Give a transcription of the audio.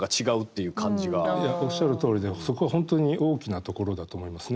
いやおっしゃるとおりでそこは本当に大きなところだと思いますね。